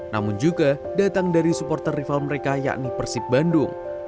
namun juga datang dari supporter rival mereka yakni persib bandung